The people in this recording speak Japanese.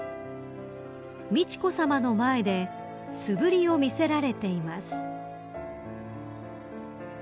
［美智子さまの前で素振りを見せられています］